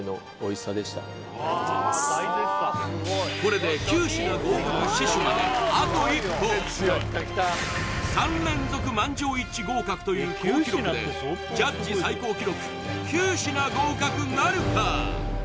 これで９品合格死守まであと一歩３連続満場一致合格という好記録でジャッジ最高記録９品合格なるか！？